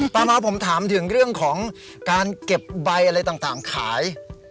ต่อมาผมถามถึงเรื่องของการเก็บใบอะไรต่างขาย